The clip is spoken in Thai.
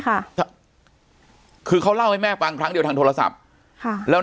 ค่ะคือเขาเล่าให้แม่ฟังครั้งเดียวทางโทรศัพท์ค่ะแล้ว